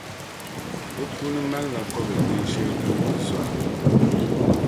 Di puuni malila kobilnin’ shɛli din kuli zɔra.